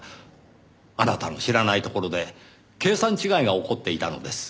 あなたの知らないところで計算違いが起こっていたのです。